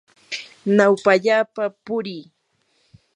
nawpallapa purii.